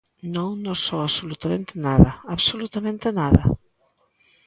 Non nos soa absolutamente nada, ¡absolutamente nada!